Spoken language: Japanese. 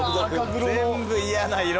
全部嫌な色。